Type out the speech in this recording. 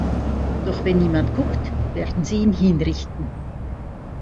Doch wenn niemand guckt, werden sie ihn hinrichten.